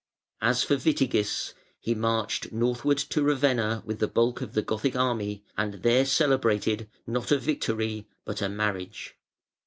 As for Witigis, he marched northward to Ravenna with the bulk of the Gothic army and there celebrated, not a victory, but a marriage.